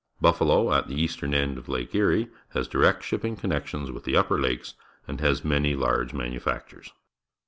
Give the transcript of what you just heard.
Buffalo, at the eastern end of Lake Erie, has direct shipping connections with the LTpper Lakes and has many large manufactures.